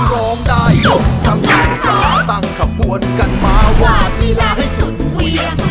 ร้องได้ยกกำลังซ่าตั้งขบวนกันมาวาดลีลาให้สุดเวียน